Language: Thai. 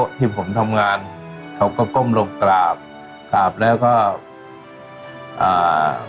ที่ผมทำงานเขาก็ก้มลงกราบกราบแล้วก็อ่า